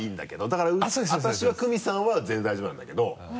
だから私はクミさんは全然大丈夫なんだけど。